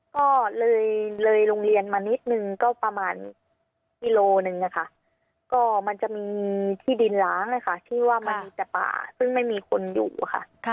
ก็เลยเลยโรงเรียนมานิดนึงก็ประมาณกิโลหนึ่งค่ะก็มันจะมีที่ดินล้างที่ว่ามันมีแต่ป่าซึ่งไม่มีคนอยู่ค่ะ